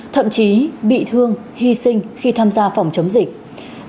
thậm chí bị thương hy sinh khi tham gia phòng chống dịch